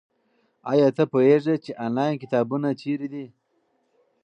ایا ته پوهېږې چې انلاین کتابتونونه چیرته دي؟